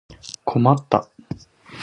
困った